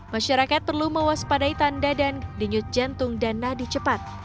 masyarakat perlu mewaspadai tanda dan denyut jantung dan nadi cepat